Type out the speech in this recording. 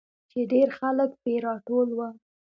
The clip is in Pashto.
چې ډېرخلک پې راټول وو.